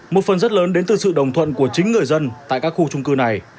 một phần rất lớn đến từ sự đồng thuận của chính người dân tại các khu trung cư này